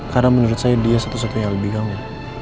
karena menurut saya dia satu satunya alibi kamu